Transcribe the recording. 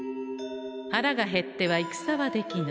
腹が減っては戦はできぬ。